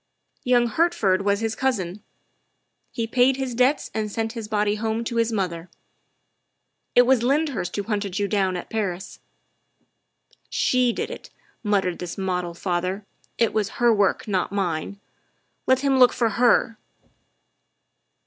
Young Hertford was his cousin ; he paid his debts and sent his body home to his mother. It was Lyndhurst who hunted you down at Paris." " She did it," muttered this model father; " it was her work, not mine. Let him look for her."